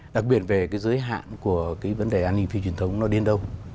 đặc biệt về cái giới hạn của cái vấn đề an ninh phi truyền thống nó đến đâu